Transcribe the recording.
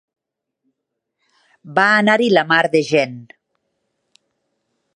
Va anar-hi la mar de gent.